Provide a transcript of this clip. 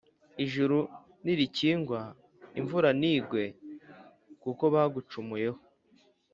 “ijuru nirikingwa, imvura ntigwe, kuko bagucumuyeho